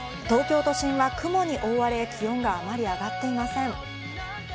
東京都心は雲に覆われ、気温があまり上がっていません。